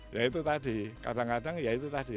ya itu tadi kadang kadang ya itu tadi